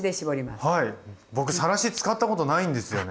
僕さらし使ったことないんですよね。